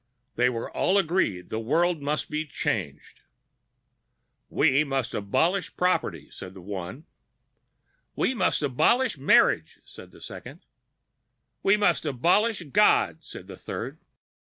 They were all agreed the world must be changed. "We must abolish property," said one. "We must abolish marriage," said the second. "We must abolish God," said the third.